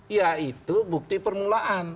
yaitu bukti permulaan